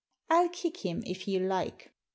I'll kick him if you like." M.